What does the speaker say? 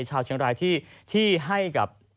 ชาวเชียงรายที่ให้กับ